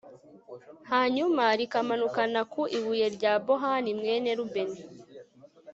hanyuma rukamanukana ku ibuye rya bohani, mwene rubeni